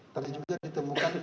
terus juga ditemukan